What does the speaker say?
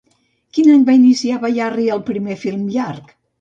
Quin any va iniciar Bayarri el primer film llarg?